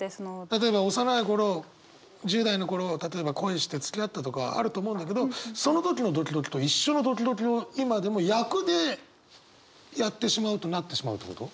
例えば幼い頃１０代の頃例えば恋してつきあったとかあると思うんだけどその時のドキドキと一緒のドキドキを今でも役でやってしまうとなってしまうってこと？